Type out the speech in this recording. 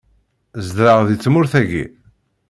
Zdeɣ di tmurt-agi.